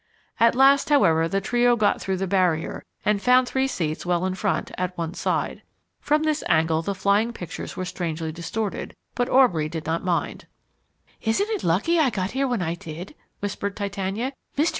At last, however, the trio got through the barrier and found three seats well in front, at one side. From this angle the flying pictures were strangely distorted, but Aubrey did not mind. "Isn't it lucky I got here when I did," whispered Titania. "Mr.